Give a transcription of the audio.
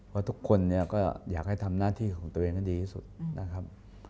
เพราะทุกคนเนี่ยก็อยากให้ทำหน้าที่ของตัวเองให้ดีที่สุดนะครับ